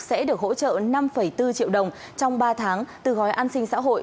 sẽ được hỗ trợ năm bốn triệu đồng trong ba tháng từ gói an sinh xã hội